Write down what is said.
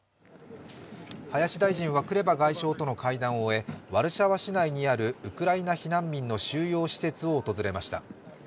林大臣はクレバ外相との会談を終え、ワルシャワ市内にあるウクライナ避難民の収容施設を訪れました。